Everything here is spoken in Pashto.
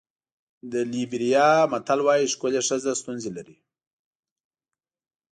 د لېبریا متل وایي ښکلې ښځه ستونزې لري.